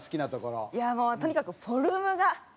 いやもうとにかくフォルムが！